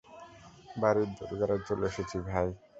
বাড়ির দোরগোড়ায় চলে এসেছি, ভাই।